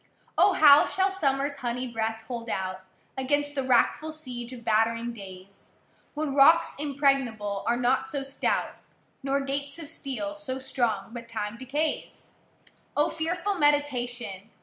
O! how shall summerâs honey breath hold out, Against the wrackful siege of battering days, When rocks impregnable are not so stout, Nor gates of steel so strong but Time decays? O fearful meditation!